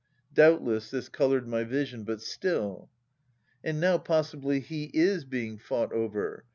Doubtless this coloured my vision ... but still ... And now possibly he is being fought over.